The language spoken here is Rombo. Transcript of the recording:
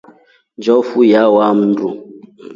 Njofu yawaa mndu.